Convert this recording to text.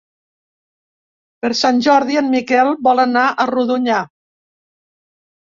Per Sant Jordi en Miquel vol anar a Rodonyà.